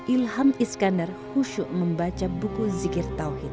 ilham iskandar khusyuk membaca buku zikir tauhid